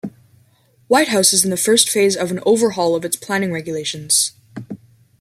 Whitehouse is in the first phase of an overhaul of its planning regulations.